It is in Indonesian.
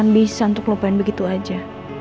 tapi aku gak akan bisa untuk lupain begitu aja